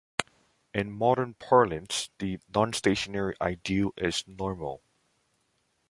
In modern parlance, the nonstationary ideal is "normal".